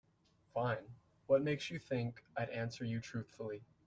Fine, what makes you think I'd answer you truthfully?